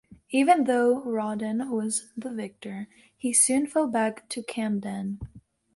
Even though Rawdon was the victor, he soon fell back to Camden.